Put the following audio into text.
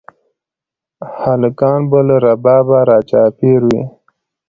هلکان به له ربابه راچاپېر وي